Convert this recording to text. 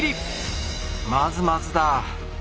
まずまずだ。